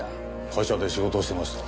会社で仕事をしていました。